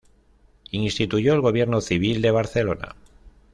Instituyó el Gobierno Civil de Barcelona.